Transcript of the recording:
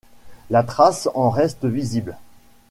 La trace en reste visible.